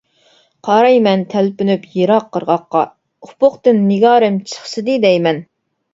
قارايمەن تەلپۈنۈپ يىراق قىرغاققا، ئۇپۇقتىن نىگارىم چىقسىدى دەيمەن.